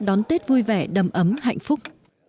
đón tết vui vẻ đầm ấm hạnh phúc